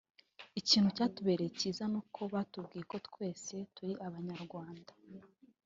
Ikintu cyatubereye cyiza ni uko batubwiye ko twese turi Abanyarwanda